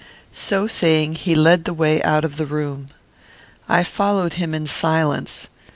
So saying, he led the way out of the room. I followed him in silence.